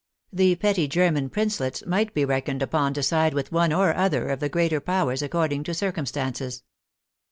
The petty German princelets might be reckoned upon to side with one or other of the greater powers according to circumstances.